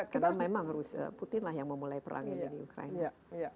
karena memang putin yang memulai perang ini di ukraina